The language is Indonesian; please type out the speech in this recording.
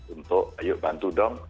untuk ayo bantu dong